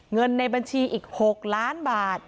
เงินในบัญชีอีก๖ล้านบาท